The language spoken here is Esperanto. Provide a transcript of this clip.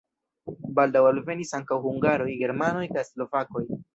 Baldaŭ alvenis ankaŭ hungaroj, germanoj kaj slovakoj.